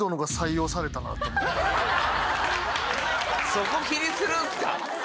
そこ気にするんすか